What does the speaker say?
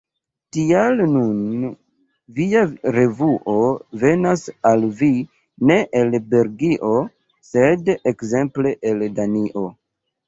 Tial nun via revuo venas al vi ne el Belgio sed ekzemple el Danio.